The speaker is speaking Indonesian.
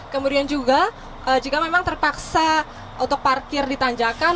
kemudian juga jika memang terpaksa untuk parkir di tanjakan